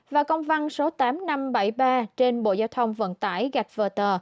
và công văn số tám nghìn năm trăm bảy mươi ba trên bộ giao thông vận tải gạch vờ